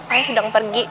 ayah sedang pergi